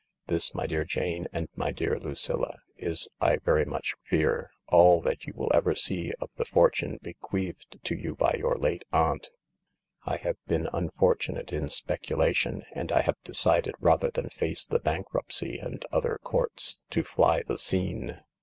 " This, my dear Jane and my dear Lucilla, is, I very much fear, all that you will ever see of the fortune bequeathed to you by your late aunt . I have been unfortunate in specula tion, and I have decided, rather than face the bankruptcy and other courts, to fly the scene.